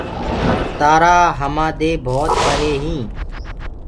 تآرآ همآدي بهوت پري هينٚ